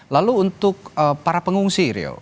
lalu untuk para pengungsi rio